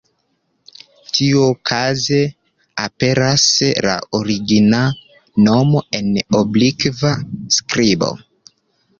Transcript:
Tiukaze aperas la origina nomo en oblikva skribo.